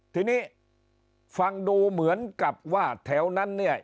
ทีนี้ฟังดูเหมือนกับว่าแถวนั้นเนี่ย